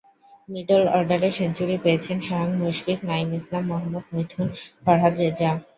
Middle অর্ডারে century পেয়েছেন স্বয়ং মুশফিক, নাঈম ইসলাম, মোহাম্মদ মিঠুন, ফরহাদ রেজা।